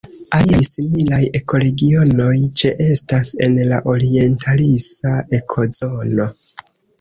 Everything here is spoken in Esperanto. Aliaj similaj ekoregionoj ĉeestas en la orientalisa ekozono.